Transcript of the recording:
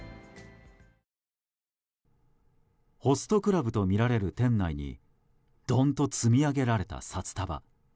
ホストクラブとみられる店内にドンと積み上げられた札束。